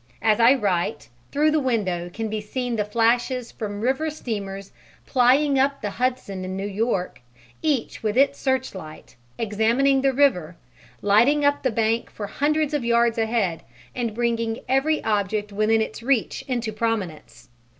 As I write, through the window can be seen the flashes from river steamers plying up the Hudson in New York, each with its searchlight, examining the river, lighting up the bank for hundreds of yards ahead, and bringing every object within its reach into prominence.